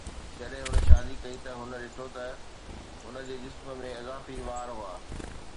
جڏهن هن شادي ڪئي ته هن ڏٺو ته هن جي جسم ۾ اضافي وار هئا